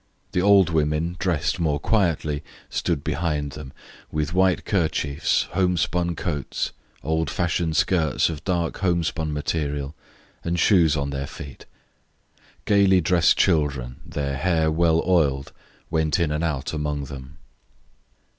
The old women, dressed more quietly, stood behind them, with white kerchiefs, homespun coats, old fashioned skirts of dark home spun material, and shoes on their feet. Gaily dressed children, their hair well oiled, went in and out among them.